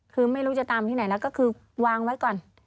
คือไม่รู้จะตามที่ไหนแล้วก็คือวางไว้ก่อน